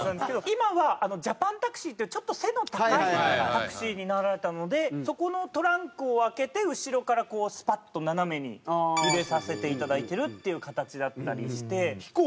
今はジャパンタクシーっていうちょっと背の高いタクシーになられたのでそこのトランクを開けて後ろからこうスパッと斜めに入れさせていただいてるっていう形だったりして。